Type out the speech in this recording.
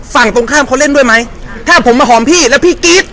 ฝั่งตรงข้ามเขาเล่นด้วยไหมถ้าผมมาหอมพี่แล้วพี่กรี๊ด